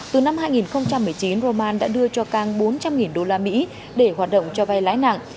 từ năm hai nghìn một mươi chín roman đã đưa cho cang bốn trăm linh usd để hoạt động cho vay lãi nặng